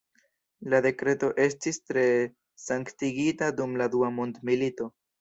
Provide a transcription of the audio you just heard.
La dekreto estis tre sanktigita dum la Dua Mondmilito.